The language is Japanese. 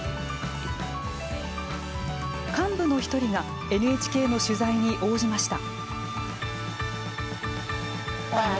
幹部の１人がＮＨＫの取材に応じました。